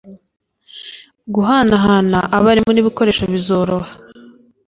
guhanahana abarimu n’ibikoresho bizoroha